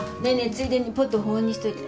ついでにポット保温にしといて。